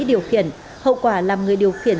điều khiển hậu quả làm người điều khiển